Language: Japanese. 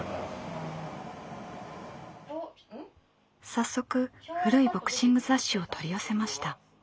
早速古いボクシング雑誌を取り寄せました。